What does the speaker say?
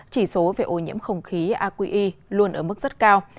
chỉ số về ô nhiễm không khí aqi luôn ở mức rất cao